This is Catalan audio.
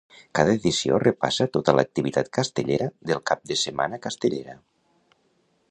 Cada edició repassa tota l'activitat castellera del cap de setmana castellera.